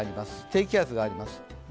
低気圧があります。